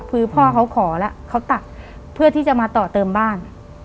คือพ่อเขาขอแล้วเขาตัดเพื่อที่จะมาต่อเติมบ้าน